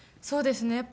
そうですね。